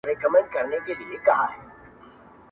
مه مو شمېره پیره په نوبت کي د رندانو-